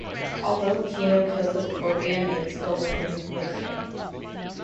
Although Kino kills the scorpion, it still stings Coyotito.